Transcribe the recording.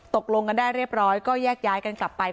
ตกลงกันได้เรียบร้อยก็แยกย้ายกันกลับไป